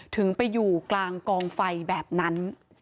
ถึงไปอยู่กลางกองไฟแบบนั้น